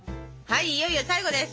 はいいよいよ最後です！